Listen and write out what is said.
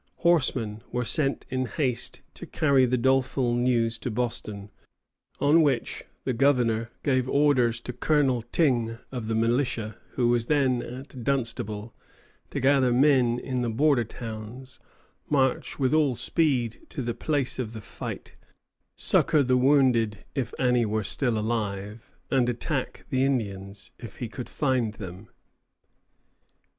Horsemen were sent in haste to carry the doleful news to Boston, on which the governor gave orders to Colonel Tyng of the militia, who was then at Dunstable, to gather men in the border towns, march with all speed to the place of the fight, succor the wounded if any were still alive, and attack the Indians, if he could find them.